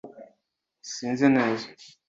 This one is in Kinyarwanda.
sinzi neza